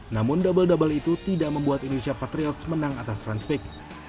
namun double double itu tidak membuat indonesia patriots menang atas ranspic